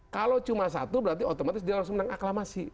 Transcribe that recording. kalau cuma satu berarti otomatis dia harus menang aklamasi